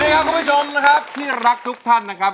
คุณผู้ชมนะครับที่รักทุกท่านนะครับ